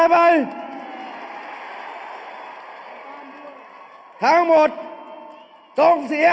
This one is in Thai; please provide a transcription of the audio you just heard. เอาข้างหลังลงซ้าย